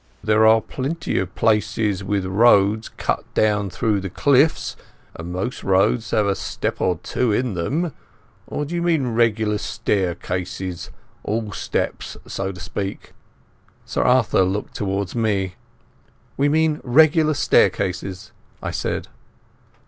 There are plenty of places with roads cut down through the cliffs, and most roads have a step or two in them. Or do you mean regular staircases—all steps, so to speak?" Sir Arthur looked towards me. "We mean regular staircases," I said.